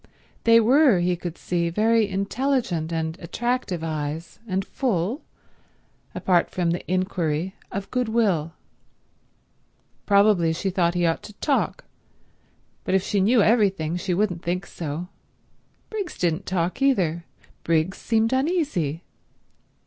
They were, he could see, very intelligent and attractive eyes, and full, apart from the inquiry of goodwill. Probably she thought he ought to talk—but if she knew everything she wouldn't think so. Briggs didn't talk either. Briggs seemed uneasy.